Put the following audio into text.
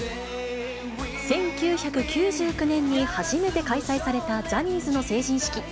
１９９９年に初めて開催されたジャニーズの成人式。